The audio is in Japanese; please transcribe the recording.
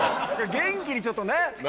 元気にちょっとね。